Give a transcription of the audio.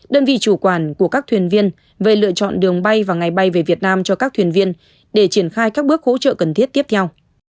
đơn vị chủ quản của các thuyền viên về lựa chọn đường bay và ngày bay về việt nam cho các thuyền viên để triển khai các bước hỗ trợ cần thiết tiếp theo